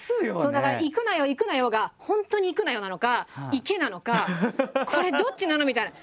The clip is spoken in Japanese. だから「いくなよいくなよ」が「本当にいくなよ」なのか「いけ」なのかこれどっちなの？みたいな。